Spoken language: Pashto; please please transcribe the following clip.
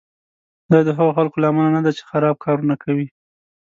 دا د هغو خلکو له امله نه ده چې خراب کارونه کوي.